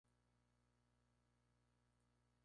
En la inauguración se presentó la orquesta de Mariano Mores.